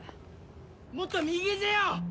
もっと右ぜよ！